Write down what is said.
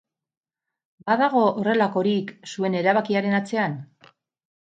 Badago horrelakorik zuen erabakiaren atzean?